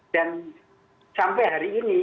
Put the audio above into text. dan sampai hari ini